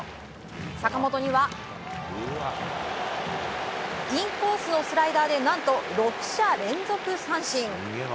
坂本にはインコースのスライダーで何と、６者連続三振。